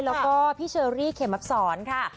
แล้วก็พี่เชอรี่เขมอักษรค่ะ